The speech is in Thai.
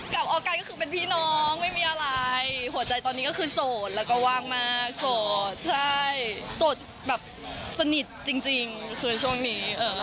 ออกัยก็คือเป็นพี่น้องไม่มีอะไรหัวใจตอนนี้ก็คือโสดแล้วก็ว่างมากโสดใช่โสดแบบสนิทจริงคือช่วงนี้